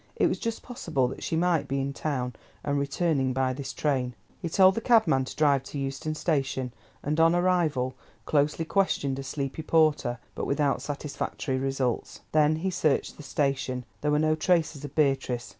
It was just possible that she might be in town, and returning by this train. He told the cabman to drive to Euston Station, and on arrival, closely questioned a sleepy porter, but without satisfactory results. Then he searched the station; there were no traces of Beatrice.